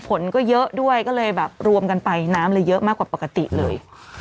ฝนก็เยอะด้วยก็เลยแบบรวมกันไปน้ำเลยเยอะมากกว่าปกติเลย